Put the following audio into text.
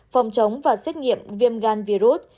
phòng chống và xét nghiệm viêm gan virus